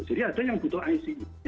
jadi ada yang butuh icu